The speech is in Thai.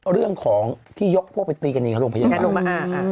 เรื่องของที่ยกพวกไปตีกันเองกับโรงพยาบาล